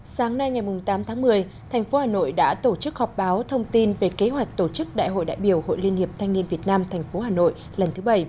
sáng nay ngày tám tháng một mươi thành phố hà nội đã tổ chức họp báo thông tin về kế hoạch tổ chức đại hội đại biểu hội liên hiệp thanh niên việt nam thành phố hà nội lần thứ bảy